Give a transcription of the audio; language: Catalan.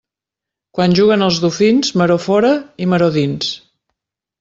Quan juguen els dofins, maror fora i maror dins.